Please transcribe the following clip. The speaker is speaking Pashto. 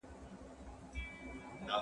هغه وويل چي تمرين مهم دي!.